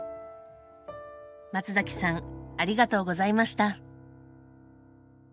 松崎さんありがとうございました。